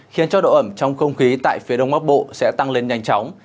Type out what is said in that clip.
khiến cho độ ẩm trong không khí tại phía đông bắc bộ sẽ tăng lên nhanh chóng